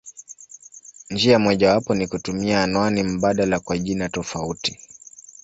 Njia mojawapo ni kutumia anwani mbadala kwa jina tofauti.